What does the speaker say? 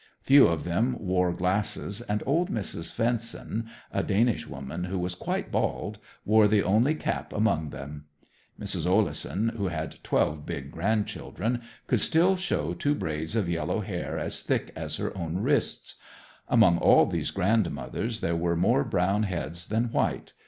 Few of them wore glasses, and old Mrs. Svendsen, a Danish woman, who was quite bald, wore the only cap among them. Mrs. Oleson, who had twelve big grandchildren, could still show two braids of yellow hair as thick as her own wrists. Among all these grandmothers there were more brown heads than white.